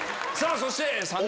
そして。